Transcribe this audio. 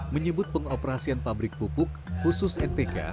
menyebut pengoperasian pabrik pupuk khusus npk